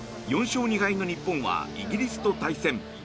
４勝２敗の日本はイギリスと対戦。